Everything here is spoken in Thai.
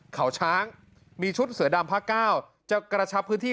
คือกระทับประตุ้นที่